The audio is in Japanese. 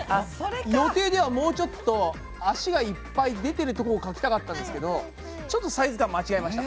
予定ではもうちょっと脚がいっぱい出てるとこを描きたかったんですけどちょっとサイズ感間違えました。